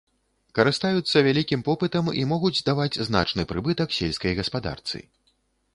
Карыстаюцца вялікім попытам і могуць даваць значны прыбытак сельскай гаспадарцы.